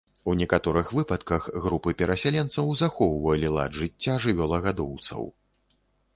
У некаторых выпадках групы перасяленцаў захоўвалі лад жыцця жывёлагадоўцаў.